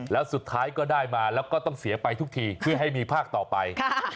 แล้วสุดท้ายก็ได้มาแล้วก็ต้องเสียไปทุกทีเพื่อให้มีภาคต่อไป